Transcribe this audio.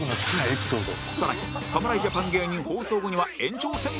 さらに侍ジャパン芸人放送後には延長戦も